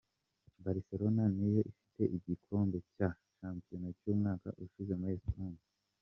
Barcelona ni yo ifite igikombe cya shampiyona cy'umwaka ushize muri Espanye.